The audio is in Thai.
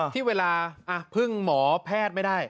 ที่เวลาพึ่งหมอแพทย์ไม่ได้